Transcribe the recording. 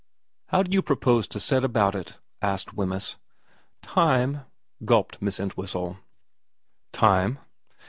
' How do you propose to set about it ?' asked Wemyss. ' Time,' gulped Miss Entwhistle. ' Time